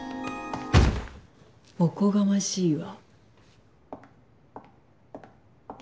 おこがましいわ。